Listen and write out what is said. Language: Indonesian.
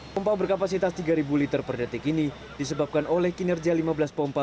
pompa berkapasitas tiga ribu liter per detik ini disebabkan oleh kinerja lima belas pompa